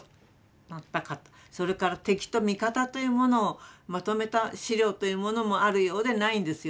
それから敵と味方というものをまとめた資料というものもあるようでないんですよね。